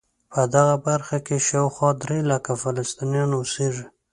په دغه برخه کې شاوخوا درې لکه فلسطینیان اوسېږي.